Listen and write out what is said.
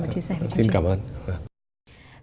và chia sẻ với chúng tôi